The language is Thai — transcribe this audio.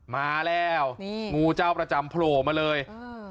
มาแล้วนี่งูเจ้าประจำโผล่มาเลย